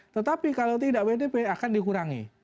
tetapi kalau tidak wdp akan dikurangi